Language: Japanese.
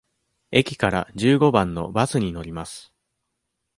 駅から十五番のバスに乗ります。